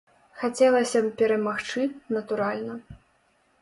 Хацелася б перамагчы, натуральна.